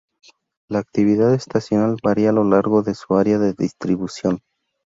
La actividad estacional varía a lo largo de su área de distribución.